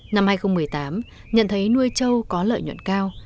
năm hai nghìn một mươi tám nhận thấy nuôi trâu có lợi nhuận cao